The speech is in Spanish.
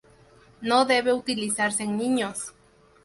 No debe utilizarse en niños.